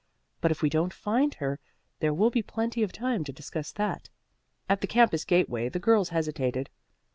But if we don't find her, there will be plenty of time to discuss that." At the campus gateway the girls hesitated.